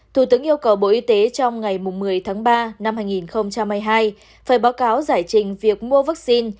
thủ tướng yêu cầu bộ y tế trong ngày một mươi tháng ba năm hai nghìn hai mươi hai phải báo cáo giải trình việc mua vaccine